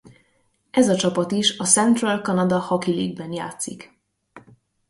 Ez a csapat is a Central Canada Hockey League-ben játszik.